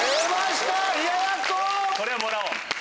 これはもらおう。